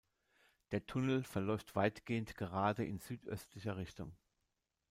Der Tunnel verläuft weitgehend gerade in südöstlicher Richtung.